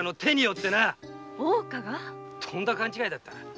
大岡がとんだ勘違いだったな。